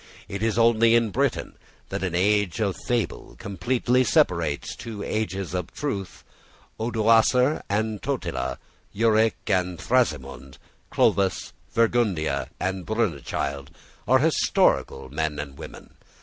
It is only in Britain that an age of fable completely separates two ages of truth. Odoacer and Totila, Euric and Thrasimund, Clovis, Fredegunda, and Brunechild, are historical men and women.